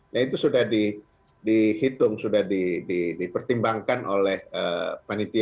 nah itu sudah dihitung sudah dipertimbangkan oleh panitian